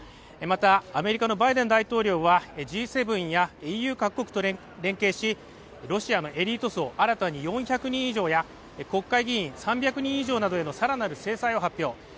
またアメリカのバイデン大統領は、Ｇ７やＥＵ各国と連携し、ロシアのエリート層、新たに４００人以上や国会議員３００人以上への更なる制裁を発表。